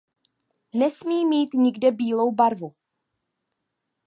Nesmí mít nikde bílou barvu.